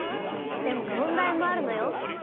でも問題もあるのよ。